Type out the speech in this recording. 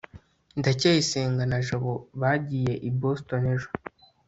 ndacyayisenga na jabo bagiye i boston ejo